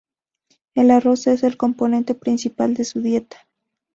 El arroz es el componente principal de su dieta.